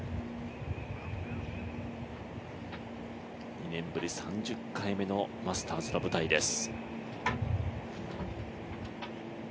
２年ぶり３０回目のマスターズの舞台です。